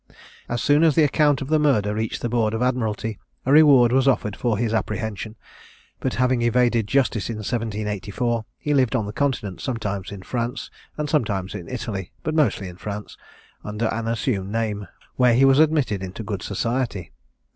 As soon as the account of the murder reached the board of admiralty, a reward was offered for his apprehension; but, having evaded justice in 1784, he lived on the Continent, sometimes in France, and sometimes in Italy, but mostly in France, under an assumed name, where he was admitted into good society.